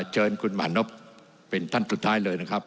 เชิญคุณหมานพเป็นท่านสุดท้ายเลยนะครับ